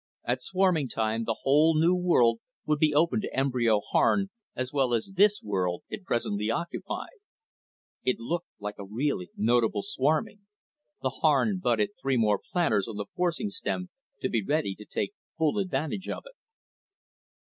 At swarming time, the whole new world would be open to embryo Harn, as well as this world it presently occupied._ _It looked like a really notable swarming. The Harn budded three more planters on the forcing stem, to be ready to take full advantage of it.